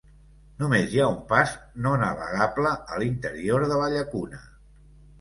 Només hi ha un pas no navegable a l'interior de la llacuna.